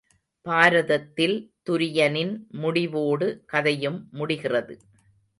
பாரதத்தில் துரியனின் முடிவோடு கதையும் முடிகிறது.